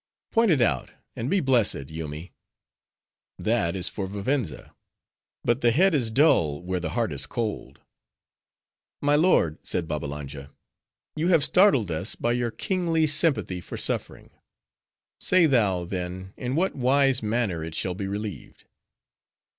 "Point it out, and be blessed, Yoomy." "That is for Vivenza; but the head is dull, where the heart is cold." "My lord," said Babbalanja, "you have startled us by your kingly sympathy for suffering; say thou, then, in what wise manner it shall be relieved."